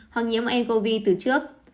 hoặc nhiễm ncov từ trước